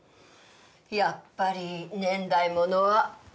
やっぱり年代物は。